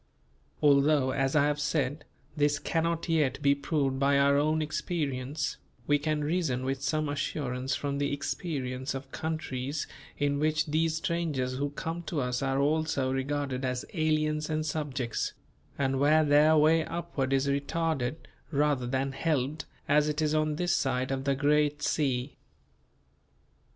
Although as I have said, this cannot yet be proved by our own experience, we can reason with some assurance from the experience of countries in which these strangers who come to us are also regarded as aliens and subjects; and where their way upward is retarded rather than helped as it is on this side of the great sea.